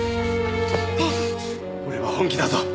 俺は本気だぞ。